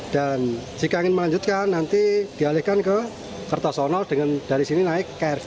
dan jika ingin melanjutkan nanti dialihkan ke kertasono dengan dari sini naik krv